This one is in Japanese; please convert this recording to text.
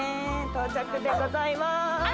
到着でございます。